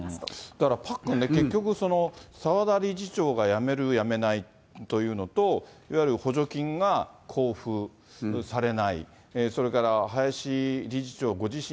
だからパックンね、結局、澤田理事長が辞める、辞めないというのと、いわゆる補助金が交付されない、それから林理事長ご自身